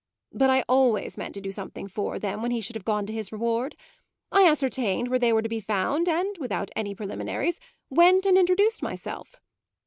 But I always meant to do something for them when he should have gone to his reward. I ascertained where they were to be found and, without any preliminaries, went and introduced myself.